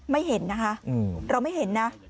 ไม่เห็นนะคะเราไม่เห็นนะ